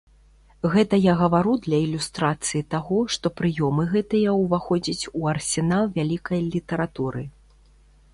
Гэта я гавару для ілюстрацыі таго, што прыёмы гэтыя ўваходзяць у арсенал вялікай літаратуры.